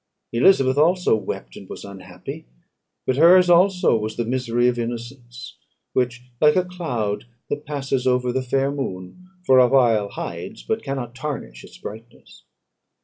Elizabeth also wept, and was unhappy; but her's also was the misery of innocence, which, like a cloud that passes over the fair moon, for a while hides but cannot tarnish its brightness.